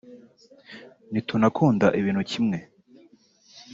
ntitunakunda ibintu kimwe